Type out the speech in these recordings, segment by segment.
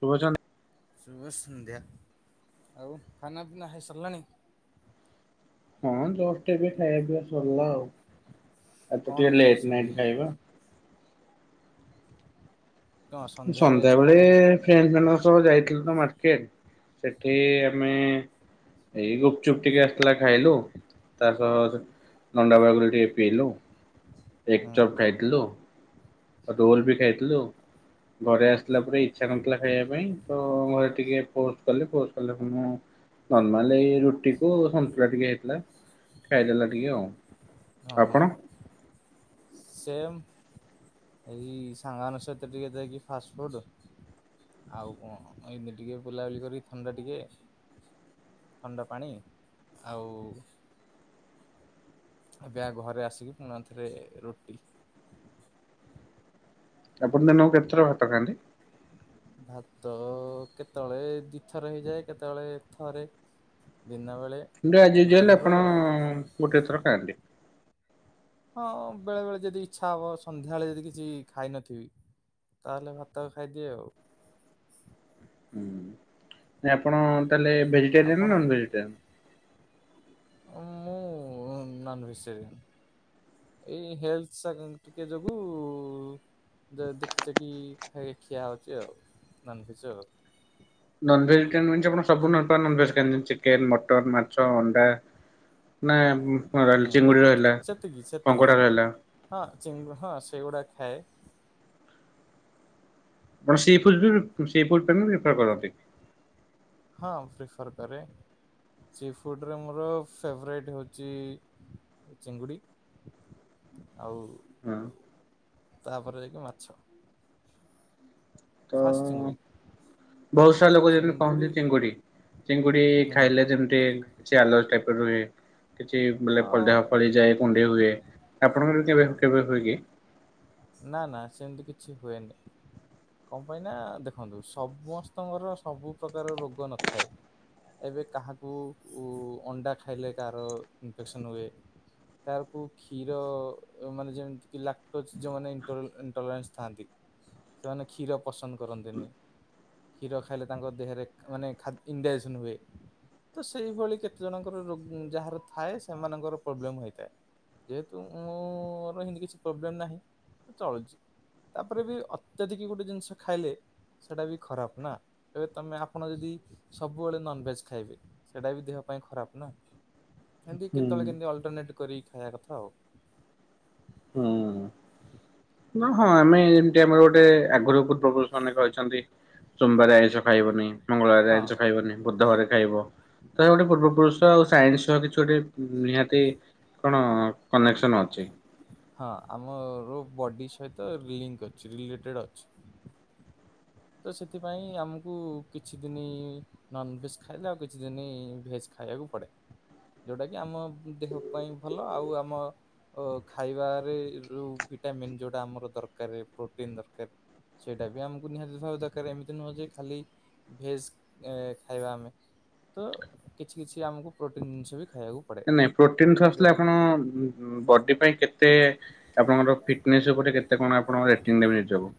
ଶୁଭଚନ୍ଦ [unintelligible] ଶୁଭସନ୍ଧ୍ୟା ଆଉ ଖାନା ପିନା ହେଇସାରିଲାଣି। ହଁ ଜଷ୍ଟ୍ ଏବେ ଖାଇବା ପିଇବା ସରିଲା ଆଉ ଆଜି ତ କଣ ଟିକେ ଲେଟ୍ ଖାଇଛନ୍ତି? ନାଇଟ୍ ଖାଇବା। କଣ ସନ୍ଧ୍ୟାରେ ଆଜି ସନ୍ଧ୍ୟାବେଳେ। କଣ ହୁଁ ଫ୍ରେଣ୍ଡ୍ ମାନଙ୍କ ସହ ଯାଇଥିଲୁ ତ ମାର୍କେଟ ସେଠି ଆମେ। ଏଇ ଗୁପଚୁପ ଟିକେ ଆସିଥିଲା ଖାଇଲୁ। ‌ ତା ସହ ନଣ୍ଡା ବାଇବାଗୁଲ ଟିକେ ପିଇଲୁ ଏକ୍ ହୁଁ ଚପ୍ ଖାଇଥିଲୁ। ଆଉ [unintelligible] ବି ଖାଇଥିଲୁ। ଘରେ ଆସିଲା ପରେ ଇଚ୍ଛା ନଥିଲା ଖାଇବା ପାଇଁ ତ ଘରେ ଟିକେ ପୋଷ୍ଟ କଲେ ପୋଷ୍ଟ କଲେ ମୁଁ। ନର୍ମାଲ ଏଇ ରୁଟି କୁ ସନ୍ତୁଳା ଟିକେ ହେଇଥିଲା ଖାଇଦେଲା ଟିକେ ଆଉ। ଓ ହୋ। ଆପଣ ସେମ୍ ଏଇ ସାଙ୍ଗମାନଙ୍କ ସହିତ ଟିକେ ଯାଇକି ଫାଷ୍ଟଫୁଡ୍। ଆଉ କଣ ଏଇନେ ଟିକେ ବୁଲାବୁଲି କରି ଥଣ୍ଡା ଟିକେ। ଥଣ୍ଡା ପାଣି ଆଉ। ଏବେ ଘରେ ଆସିକି ପୁଣି ଥରେ ରୁଟି। ଆପଣ ଦିନକୁ କେତେଥର ଭାତ ଖାଆନ୍ତି। ଭାତ କେତେବେଳେ ଦିଥର ହେଇଯାଏ କେତେବେଳେ ଥରେ। ଦିନବେଳେ। ଥିଲେ ଆଜି ଯିଏ ହେଲେ ଆପଣ ଗୋଟିଏ ଥର ଖାଆନ୍ତି। ହଁ ବେଳେ ବେଳେ ଯଦି ଇଚ୍ଛା ହବ ସନ୍ଧ୍ୟାବେଳେ ଯଦି କିଛି ଖାଇନଥିବି। ତାହେଲେ ଭାତ ଖାଇଦିଏ ଆଉ। ହୁଁ ଆପଣ ତା ହେଲେ ଭେଜିଟେରିଆନ୍ ଆପଣ? ନା ନନ୍ ଭେଜିଟେରିଆନ୍। ମୁଁ ନନ୍ ଭେଜିଟେରିଆନ୍। ଏଇ ହେଲ୍ସା ଟିକେ ଯୋଗୁଁ। ଯେ ଦେଖି ଛେକି କି ଖାଇ ଖିଆ ହୋଉଛି ଆଉ ନନଭେଜର୍।। ନନଭେଜିଟେରିଆନ୍ ମାନେ ଆପଣ ସବୁ ନନଭେଜ୍ ଖାଆନ୍ତି ଯେମିତି ଚିକେନ, ମଟନ୍, ମାଛ, ଅଣ୍ଡା। ନାଇ ରାଲ୍ ହୁଁ ଚିଙ୍ଗୁଡ଼ି ହେଲା ସେତିକି ସେତିକି କଙ୍କଡ଼ା ହେଲା। ହଁ ଚିଙ୍ଗୁ ହଁ ସେଗୁଡା ଖାଏ। ଆପଣ ସି ଫୁଡ୍ ବି ସି ଫୁଡ୍ [unintelligible] କରନ୍ତି। ହଁ ପ୍ରିଫର୍ କରେ। ସି ଫୁଡରେ ମୋର ଫେଭରାଇଟ୍ ହୋଉଛି। ଚିଙ୍ଗୁଡ଼ି ଆଉ ହଁ ତାପରେ ଯାଇକି ମାଛ। ତ ଫାଷ୍ଟ୍ ଚିଙ୍ଗୁଡ଼ି। ବହୁତ ସାରା ଲୋକ ଯେମିତି କହନ୍ତି ଚିଙ୍ଗୁଡ଼ି ଚିଙ୍ଗୁଡି ଚିଙ୍ଗୁଡି ହୁଁ ଖାଇଲେ ଯେମିତି। କିଛି ଆଲଜ୍ ଟାଇପର ରୁହେ କିଛି ହଁ ଲେଫର ଦେହ ଫଳି ଯାଏ କୁଣ୍ଡେଇ ହୁଏ। ଆପଣଙ୍କର କେବେ କେବେ ହୁଏ କି? ନା ନା ସେମିତି କିଛି ହୁଏନି। କଣ ପାଇଁ ନା ଦେଖନ୍ତୁ ସମସ୍ତଙ୍କର ସବୁ ପ୍ରକାର ରୋଗ ନଥାଏ। ଏବେ କାହାକୁ ଅଣ୍ଡା ଖାଇଲେ କାହାର ଇନଫେକ୍ସନ୍ ହୁଏ। କାହାରକୁ କ୍ଷୀର ମାନେ ଯେମିତି କି ଲାକ୍ଟୋଚ। ଯୋଉମାନେ ଇଣ୍ଟଲନ୍ସ ଥାନ୍ତି ସେମାନେ କ୍ଷୀର ପସନ୍ଦ କରନ୍ତିନି। କ୍ଷୀର ଖାଇଲେ ତାଙ୍କ ଦେହରେ ମାନେ ଖା ଇଣ୍ଡାଜେକ୍ସନ୍ ହୁଏ। ତ ସେଇଭଳି କେତେ ଜଣଙ୍କର ରୋ ଯାହାର ଥାଏ ସେମାନଙ୍କର ପ୍ରୋବ୍ଲେମ୍ ହୋଇଥାଏ। ଯେହେତୁ ମୋ ର କିଛି ପ୍ରୋବ୍ଲେମ ନାହିଁ ତ ଚଳୁଛି। ତାପରେ ବି ଅତ୍ୟଧିକ ଗୋଟେ ଜିନିଷ ଖାଇଲେ। ସେଟା ବି ଖରାପ ନା ଏବେ ତମେ ଆପଣ ଯଦି। ସବୁବେଳେ ନନଭେଜ ଖାଇବେ ସେଇଟା ବି ଦେହ ପାଇଁ ଖରାପ ନା, ଖାଆନ୍ତି ହୁଁ କେତେବେଳେ କେମିତି ଅଲଟରନେଟ୍ କରିକି ଖାଇବା କଥା ଆଉ, ହୁଁ, ଉଁଅ ହଁ ଆମେ ଯେମିତି ଆମର ଗୋଟେ ଆଗରୁ ପୂର୍ବ ପୁରୁଷ ମାନେ କହିଛନ୍ତି, ସୋମବାର ଆଇଁଷ ଖାଇବନି ମଙ୍ଗଳବାର ହଁ ଆଇଁଷ ଖାଇବନି ବୁଧବାର ରେ ଖାଇବ ତ ଗୋଟେ ପୂର୍ବ ପୁରୁଷ ଆଉ ସାଇନ୍ସ ସହ କିଛି ଗୋଟେ, ନିହାତି କଣ କନେକ୍ସନ ଅଛି, ହଁ ଆମ ରୁବ୍ ବଡ଼ି ସହିତ ଲିଙ୍କ ଅଛି ରିଲେଟେ ଅଛି, ତ ସେଥିପାଇଁ ଆମକୁ କିଛି ଦିନି, ନନ୍ ଭେଜ ଖାଇଲେ ଆଉ କିଛି ଦିନି ଭେଜ୍ ଖାଇବାକୁ ପଡ଼େ, ଯୋଉଟା କିି ଆମ ଦେହ ପାଇଁ ଭଲ ଆଉ ଆମ, ଓ ଖାଇବାରେ ରୋ ଭିଟାମିନ୍ ଯୋଉଟା ଆମର ଦରକାର ରେ ପ୍ରୋଟିନ୍ ଦରକାର, ସେଇଟା ବି ଆମକୁ ନିହାତି, ଦ ଦରକାର ରେ ଏମିତି ନୁହଁ ଯେ ଖାଲି ଭେଜ୍ ହେ ଖାଇବା ଆମେ, ତ କିଛି-କିଛି ଆମକୁ ପ୍ରୋଟିନ୍ ଜିନିଷ ବି ଖାଇବାକୁ, ପଡେ ନାଇଁ ପ୍ରୋଟିନ୍ଠ୍ ଆସିଲେ ଯୋଉଟା କି ଆପଣ ଉଁ-ଉଁ ବଡ଼ି ପାଇଁ କେତେ, ଆପଣଙ୍କର ଫିଟନେସ୍ ଉପରେ କେତେ କଣ ଆପଣ ରେଟିଙ୍ଗ ଦେବେ ନିଜକୁ,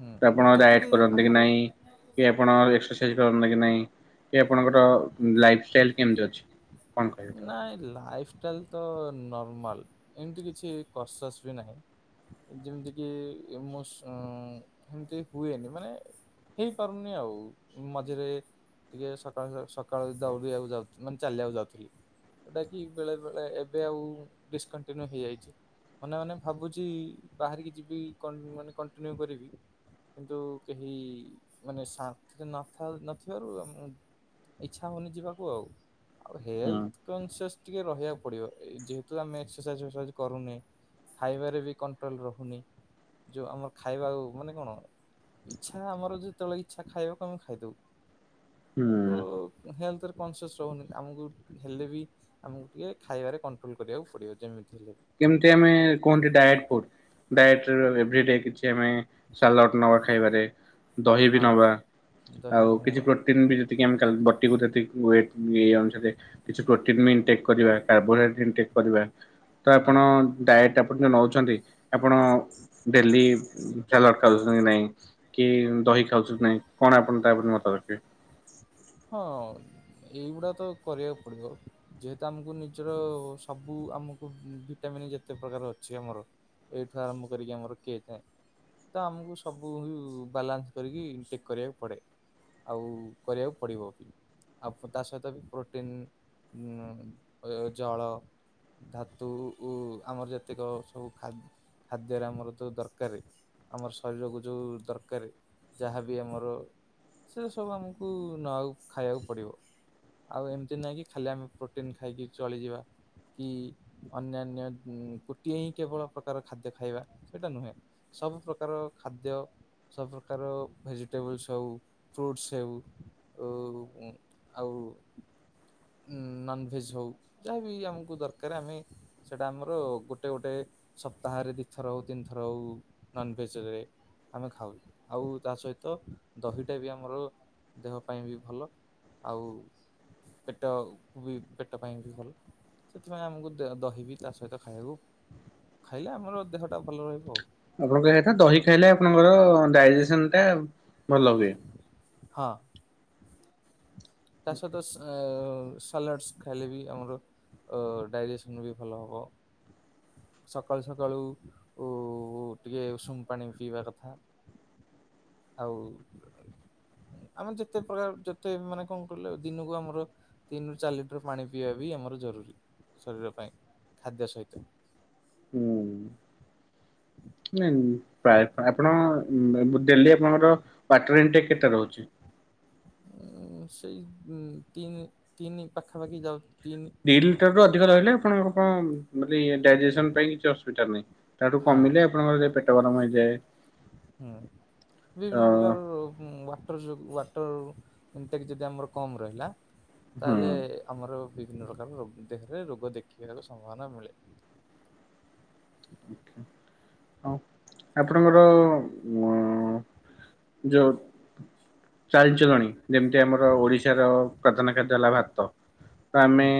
ହୁଁ, ଆପଣ ଡାଏଟ୍ ଯେତିକି କରନ୍ତି କି ଆମର ନାଇଁ, ଇ କି ଆପଣ ଏକ୍ସେସାଇଜ୍ କର କି ନାଇଁ କି ଆପଣଙ୍କର ଲାଇଫଷ୍ଟାଇଲ୍ ଟାଇଲ୍ କେମିତି ଅଛି, କଣ କହିବି ତାକୁ ନାଇଁ ଲାଇଫଷ୍ଟାଇଲ୍, ତ ନର୍ମାଲ ଏମିତି କିଛି କରସସ୍ ବି ନାହିଁ, ଯେମିତି କି ମୋ ସମ୍ ସେମିତି ହୁଏନି ମାନେ, ହେଇପାରୁନି ଆଉ ଏ ମଝିରେ ଟିକେ ସ କାଳ ସକାଳ ଚାଲିବାକୁ ଯାଉଛି ମାନେ ଚାଲିବାକୁ ଯାଉଥିଲି, ସେଟା କି ବେଳେ-ବେଳେ ଏବେ ଆଉ ଡିସକଣ୍ଟିନ୍ୟୁ ହେଇଯାଇଛି, ମନେ-ମନେ ଭାବୁଛି ବାହାରିକି ଯିବି କନ୍ ମାନେ କଣ୍ଟିନ୍ୟୁ କରିବି, କିନ୍ତୁ କେହି ମାନେ ଶନ୍ତିରେ ନ ଥାଉ ନ ଥିବାରୁ ଆଉ ମୁଁ, ଇଚ୍ଛା ହଉନି ଯିବାକୁ ଆଉ-ଆଉ ହୁଁ ହେଲ୍ଥ, କନସେସ୍ ଟିକେ ରହିବାକୁ ପଡ଼ିବ ଏଇ ଯେହେତୁ ଆମେ ଏକ୍ସେସାଇଜ୍ ଫେକ୍ସେସାଇଜ୍ କରୁନି, ଖାଇବାରେ ବି କଣ୍ଟ୍ରୋଲ ରହୁନି, ଯୋଉ ଆମର ଖାଇବା ଆ ମାନେ କଣ ଇଚ୍ଛା ଆମର ଯେତେବେଳେ ଇଚ୍ଛା ଖାଇବା ଆମେ ଖାଇଦବୁ, ତୋ ହୁଁ। ହେଲ୍ଥରେ କନସେସ୍ ରହୁନି ଆମକୁ ହେଲେ ବି, ଆମକୁ ଟିକେ ଖାଇବାରେ କଣ୍ଟ୍ରୋଲ କରିବାକୁ ପଡ଼ିବ ଯେମିତି ହେଲେ ବି, ଯେମିତି ଆମେ କୁହନ୍ତି ଡାଏଟ୍ କରୁ, ଡାଏଟ୍ ଏଭିଡେ କିଛି ଆମେ ସାଲାଟ୍ ନବା ଖାଇବାରେ, ଦହି ବି ହଁ ନବା ଦହି ଆଉ ବି କିଛି ନବା ପ୍ରୋଟିନ୍ ବି ଯେତିକି ଆମେ କାଲ୍ ବଟିକୁ ଯେତିକି ୱେଟ୍, ଏଇ ଅନୁସାରେ କିଛି ପ୍ରୋଟିନ ବିଇଟ କରିବା କାର୍ବୋହାଇଡ୍ରେଟଇଟେକ୍ କରିବା, ତା ହୁଁ ଆପଣ, ଡାଏଟ୍ ଆପଣ ଯେଉଁ ନେଉଛନ୍ତି ଆପଣ ଡେଲି ଉଁଛା ଲଟକାଉଛନ୍ତି କି ନାହିଁ, କି ଦହି ଖାଉଛନ୍ତି ନାଇଁ କଣ ଆପଣ ତାପରେ ମତ ରକାର୍, ହଁ ଏଇଗୁଡ଼ା ତ କରିବାକୁ ପଡ଼ିବ, ଯେହେତୁ ଆମକୁ ନିଜର ସବୁ ଆମକୁ ଉଁ ଭିଟାମନ୍ ଯେତେ ପ୍ରକାର ଅଛି ଆମର, ଏଇଠୁ ଆରମ୍ଭ କରିକି ଆମର କେଏ ଥାଏ, ତ ଆମକୁ ସବୁ ଉଁ ବାଲାନ୍ସ କରିକି ଟେକ୍ କରିବାକୁ ପଡ଼େ, ଆଉ କରିବାକୁ ପଡ଼ିବ ବି ଆଉ ତା ସହିତ ବି ପ୍ରୋଟିନ୍ ଜଳ ଧାତୁ ଉ ଆମର ଯେତିକ ସବୁଖାଦ୍ୟ ଖାଦ୍ୟରେ ଆମର ତ ଦରକାରେ ଆମର ଶରୀରକୁ ଯୋଉ ଦରକାର ଯାହାବି ଆମର ସେଇଟା ସବୁ ଆମକୁ ନ ଖାଇବାକୁ ପଡ଼ିବ ଆଉ ଏମିତି ନାଇଁ କି ଖାଲି ଆମେ ପ୍ରୋଟିନ୍ ଖାଇକି ଚଳିଯିବା। କି ଅନ୍ୟାନ୍ୟ ଗୋଟିଏ ହିଁ କେବଳ ପ୍ରକାର ଖାଦ୍ୟ ଖାଇବା ସେଇଟା ନୁହେଁ। ସବୁ ପ୍ରକାର ଖାଦ୍ୟ ସବୁ ପ୍ରକାର ଭେଜିଟେବଲ୍ସ ସଉ ଫ୍ରୁଟସ ସେଓ ଓ ଉଁ ଆଉ ନନଭେଜ ହଉ ଯାହାବି ଆମକୁ ଦରକାରେ ଆମେ ସେଇଟା ଆମର ଗୋଟେ ଗୋଟେ ସପ୍ତାହରେ ଦୁଇଥର ହଉ ତିନି ଥର ହଉ ନନଭେଜରେ ଆମେ ଖାଉ ଆଉ ତା ସହିତ ଦହିଟା ବି ଆମର ଦେହ ପାଇଁ ବି ଭଲ ଆଉ ପେଟ କୁ ବି ପେଟ ପାଇଁ ବି ଭଲ। ସେଥିପାଇଁ ଆମକୁ ଦେ ଦହିବି ତା ସହିତ ଖାଇବାକୁ ଖାଇଲେ ଆମର ଦେହଟା ଭଲ ରହିବ ଆଉ। ମୁଁ କଣ କହିବା କଥା ଦହି ଖାଇଲେ ଆପଣଙ୍କର ଡାଇଜେସନ ଟା ଭଲ ହୁଏ। ହଁ ତା ସ ସାଲାଡ଼ସ୍ ଖାଇଲେ ବି ଆମର ଡାଇଜେସନ୍ ବି ଭଲ ହେବ। ସକାଳୁ ସକାଳୁ ଉ ଟିକେ ଉଷୁମୁ ପାଣି ପିଇବା କଥା। ଆଉ ହ [inaudible] ଆମେ ଯେତେ ପ୍ରକାର ଯେତେ ମାନେ କଣ କିହିଲେ ଦିନକୁ ଆମର ତିନିରୁ ଚାରି ଲିଟର ପାଣି ପିଇବା ବି ଆମର ଜରୁରୀ ଶରୀର ପାଇଁ ଖାଦ୍ୟ ସହିତ। ହୁଁ। ନାଇଁ ପ୍ରାୟତ ଆପଣ ଡେଲି ଆପଣଙ୍କର ୱାଟର ଇନଟେକ୍ କେତେ ରହୁଚି? ସେଇ ତିନି ତିନି ପାଖାପାଖି ଯାଉଚି ତିନି। ଦୁଇ ଲିଟରରୁୁ ଅଧିକ ରହିଲେ ଆପଣ ଆପଣ ମୁଁ କହିଲି ଡାଇଜେସନ ପାଇଁ କିଛି ଅସୁବିଧା ନାଇଁ ତାଠୁ ହଁ କମିଲେ ଆପଣଙ୍କର ପେଟ ଗରମ ହେଇଯାଏ। ହୁଁ ତ ବିଭିନ୍ନ ପ୍ରକାର ବା ୱାଟର ଯୋଗୁ ୱାଟର ଇନଟେକ୍ ଯଦି ଆମର କମ୍ ରହିଲା ହୁଁ। ତାହେଲେ ଆମର ବିଭିନ୍ନ ପ୍ରକାର ଦେହରେ ରୋଗ ଦେଖିବାକୁ ସମ୍ଭାବନା ମିଳେ। ହଁ ଆପଣଙ୍କର ଅ ଯୋଉ ଚାରି ଚରୋଣି ଯେମିତି ଆମର ଓଡିଶାର ପ୍ରଧାନ ଖାଦ୍ୟ ହେଲା ଭାତ। ତ ହୁଁ ଆମେ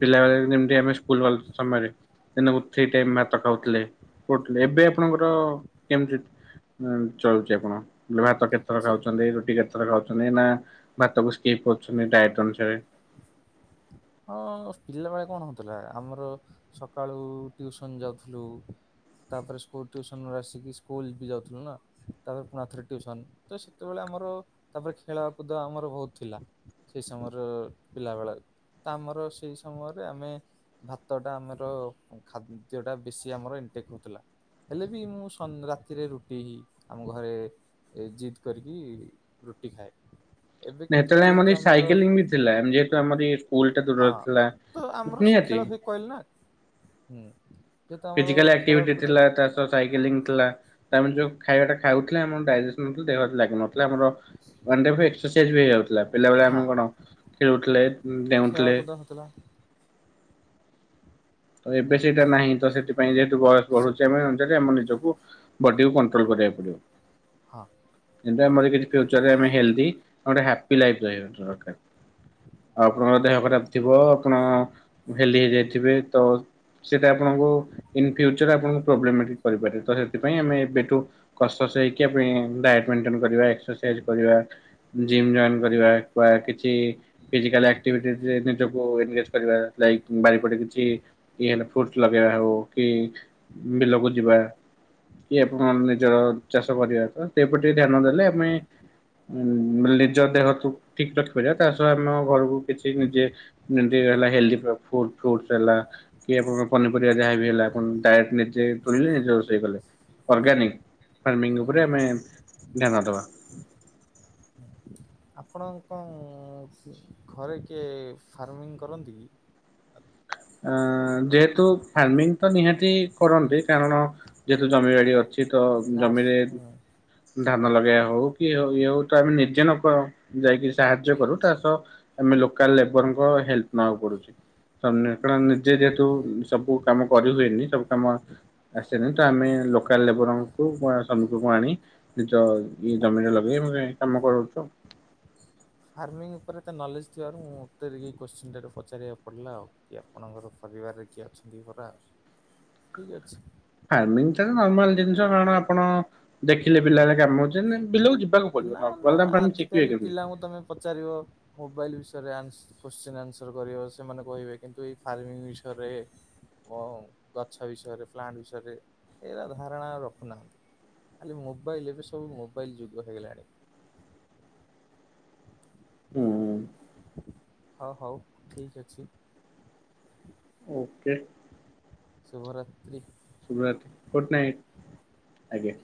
ପିଲାବେଳେ ଯେମିତି ଆମେ ସ୍କୁଲୁ ବା ସମୟରେ ଦକୁ [unintelligible] ଭାତ ଖାଉଥିଲେ କଥିଲେ ଏବେ ଆପଣଙ୍କର କେମିତି ଚଳୁଚି ଆପଣ ଭାତ କେତେଥର ସେ ଖାଉଚନ୍ତି ରୁଟି କେତେ ଥର ଖାଉଚନ୍ତି ନା ଭାତକୁ ସ୍କିପ କରୁଚନ୍ତି ଡାଏଟ୍ ଅନୁସାରେ? ହଁ ପିଲାବେଳେ କଣ ହଉଥିଲା ଆମର ସକାଳୁ ଟିଉସନ ଯାଉଥିଲୁ ତାପରେ ସ୍କୁଲୁ ଟ୍ୟୁସନ ଆସିକି ସ୍କୁଲୁ ବି ଯାଉଥିଲୁ ନା। ତାପରେ ପୁଣି ଥରେ ଟ୍ୟୁସନ ତ ସେତେବେଳେ ଆମର ତାପରେ ଖେଳକୁଦ ଆମର ବହୁତୁ ଥିଲା। ସେଇ ସମୟରେ ପିଲା ବେଳ ତ ଆମର ସେଇ ସମୟରେ ଆମେ ଭାତ ଟା ଆମର ଖାଦ୍ୟ ଟା ବେଶୀ ଆମର ଇନଟେ ହଉଥିଲା। ହେଲେ ବି ମୁଁ ସ ରାତିରେ ରୁଟି ଆମ ଘରେ ଏ ଜିଦ୍ କରିକି ରୁଟି ଖାଏ। ଏବେ କିନ୍ତୁ ନେତବେଳେ ଯେହେତୁ ଆମରି ଆମର ସାଇକେଲିଂ ବି ଥିଲା ଯେହେତୁ ଆମରି ସ୍କୁଲ ଟା ଦୂରର ଥିଲା ନିହାତି। କହିଲ୍ ନା ହୁଁ। ଯେହେତୁ ଆମର ଫିଜିକାଲ୍ ଖେଳକୁଦ ଆକ୍ଟିଭିଟିଥିଲା ତାସ୍ ତ ସାଇକେଲଂ ଥିଲା ତା ମାନେ ଯୋଉ ଖାଇବା ଟା ଖାଉଥିଲେ ଆମନ୍ ଡାଇଜେସନ୍ ଥିଲେ ଦେହରେ ଲାଗୁନଥିଲା। ପିଲା ଆମର ୱାନଡ଼େ ହୁଏ ଏକ୍ସୋସିଆଜ୍ ହେଇଯାଉଥିଲା ପିଲାବେଳେ ହଁ ଆମେ କଣ ଖେଳୁତ୍ଥିଲେ ହୁଁ ଦେଉତ୍ଥିଲେ। [unintelligible] ଥିଲା ତ ଏବେ ହୁଁ ସେଇଟା ନାହିଁ ତ ସେଥିପାଇଁ ଯେହେତୁ ବୟସ ସେ ବଢ଼ୁଛି ଆମେ ଜାଣିଚଟି ଆମ ନିଜକୁ ବଡ଼ିକୁ କଣ୍ଟ୍ରୋଲ୍ କରିବାକୁ ପଡ଼ିବ। ହଁ। ଯେମ୍ତି ଆମର କିଛି ଫିଉଚରରେ ଆମେ ହେଲ୍ଦି ଆଉଗୋଟେ ହାପି ଲାଇଫ୍ ରହିବା ଦରକାର। ଆଉ ଆପଣଙ୍କର ଦେହ ଖରାପ ଥିବ ଆପଣ ହେଲ୍ଦି ହେଇଯାଇଥିବେ ତ ସେଟା ଆପଣଙ୍କୁ ଇନ୍ଫିଉଚର ଆପଣକୁ ପ୍ରୋବ୍ଲେମଟିକ କରିପାରେ ତ ସେଥିପାଇଁ ଆମେ ଏବେଠୁ କଷ ସେଇକି ଆବେଁ ଡାଇଟ୍ ମେଣ୍ଟିନ୍ କରିବା ଏକ୍ସୋସା ଏଜ୍ କରିବା ଜିମ୍ ଜାମ୍ କରିବା କୁଆ କିଛି ଫିଜିକାଲ୍ ଆକ୍ଟିଭିଟି ଜେ ନିଜକୁ ଏମିରେକ୍ସ କରିବା ଲାଇକ୍ ମୁଁ ବାରିପଟେ କିଛି ଇହେଲେ ଫୁର୍ତ୍ ଲଗେଇଆ ହୋଉ। କି ବିଲକୁ ଯିବା କି ଆପଣ ନିଜର ଚାଷ କରିବା ତ ସେପଟେ ତେ ଧ୍ୟାନ ଦେଲେ ଆମେ ଉଁ ନିଜ ଦେହକୁ ଠିକ୍ ରଖ କରିବା ତା ସ ଆମ ଘରକୁ କିଛି ନିଜେ ଯେମିତି ହେଲା ହେଲ୍ଦି ଫ୍ର ଫୁଡ଼୍ ଫୁଡୁସ୍‌ ହେଲା। କି ଆପଣଙ୍କ ପନିପରିବା ଯାହାବି ହେଲା ଆପନ୍ ଡାଏକ୍ଟ ନିଜେ ତୋଳିଲେ ନିଜେ ରୋଷେଇ କଲେ ଅର୍ଗାନିକ୍। ଫାର୍ମିଂ ଉପରେ ହୁଁ ଆମେ ଧ୍ୟାନ ଦବା। ଆପଣଙ୍କ ଘରେ କିଏ ଫାର୍ମିଂ କରନ୍ତି କି? ଆ ଆଁ ଯେହେତୁ ଫାର୍ମିଂ ତ ନିହାତି କରନ୍ତି କାରଣ ଯେହେତୁ ଜମି ବାଡ଼ି ଅଛି ତ ନା ଜମିରେ ହୁଁ। ଧାନ ଲଗେଇୟା ହଉ କି ହଉ ଇ ହଉ ତ ଆମେ ନିଯେ ନକ ଯାଇକି ସାହାଯ୍ୟ କରୁ ତା ସହ ଆମେ ଲୋକାଲ ଲେବରଙ୍କ ହେଲ୍ପ ନବାକୁ ପଡ଼ୁଛି। ସମ୍ନେ କାଣ ନିଜେ ଯେହେତୁ ସବୁ କାମ କରି ହୁଏନି ସବୁ କାମ ଆସେନି ତ ଆମେ ଲୋକାଲ୍ ଲେବରଙ୍କୁ ବା ଶ୍ରମିକଙ୍କୁ ଆଣି ନିଜ ଇଏ ଜମିଟା ଲଗେଇ ମନେ [inaudible] ଫାର୍ମିଙ୍ଗ୍ ଉପରେ ତା ନଲେଜ୍ ଥିବାରୁ ମୁଁ ଉତ୍ତରିଗି କୋଶ୍ଚିନ୍ ଟା ରୁ ପଚାରିବାକୁ ପଡ଼ିଲା ଆଉ। କି ଆପଣଙ୍କର ପରିବାରରେ କିଏ ଅଛନ୍ତି ପରା ଠିକ୍ ଅଛି। ଫାର୍ମିଙ୍ଗ୍ ଚାର ନର୍ମାଲ ଜିନିଷ କଣ ଆପଣ ଦେଖିଲେ ବିଲାରେ କାମ ଛନ୍ତି ବିଲୋଉଛୁ। ନା ନା ଆଜିକାଲି ପିଲାଙ୍କୁ ତମେ ପଚାରିବ। ମୋବାଇଲି ବିଷୟରେ ଆନ୍ସ କୋସଚୀନ ଆନ୍ସର କରିବ ସେମାନେ କହିବେ କିନ୍ତୁ ଏଇ ଫାର୍ମିଂ ବିଷୟରେ ୱଉଁ ଗଛ ବିଷୟରେ ପ୍ଲାଣ୍ଟ ବିଷୟରେ ଏରା ଧାରଣା ରଖୁନାହାଁନ୍ତି। ଖାଲି ମୋବାଇଲ୍ ଏବେ ସବୁ ମୋବାଇଲ୍ ଯୁଗ ହେଇଗଲାଣି। ହୁଁ [inaudible] ହ ହଉ ଠିକ୍ ଅଛି। [inaudible] ଓକେ। ଶୁଭ ରାତ୍ରି। ଶୁଭରାତି ଫୋର୍ଟ ନାଇଟ୍ ଆଜ୍ଞା।